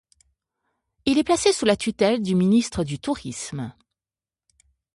Il est placé sous la tutelle du ministère du Tourisme.